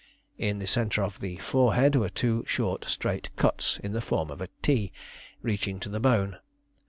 In the centre of the forehead were two short straight cuts in the form of a *T* reaching to the bone.